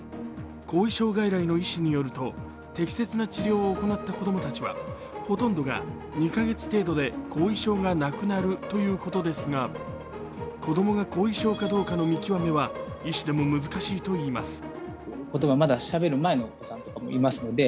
後遺症外来の医師によると、適切な治療を行った子供たちはほとんどが２カ月程度で後遺症がなくなるということですが、子供が後遺症かどうかの見極めは医師でも難しいといいます。